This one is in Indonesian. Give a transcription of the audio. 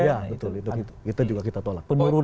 iya betul itu kita juga kita tolak